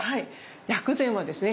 薬膳はですね